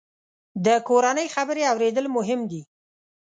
د کورنۍ خبرې اورېدل مهم دي.